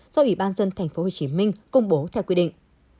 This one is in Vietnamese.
do ủy ban dân tp hcm công bố theo quy định